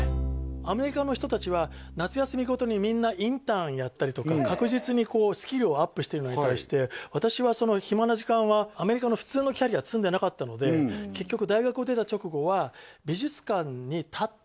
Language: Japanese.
アメリカの人達は夏休みごとにみんなインターンやったりとか確実にこうスキルをアップしているのに対して私はその暇な時間はアメリカの普通のキャリア積んでなかったので結局えっ！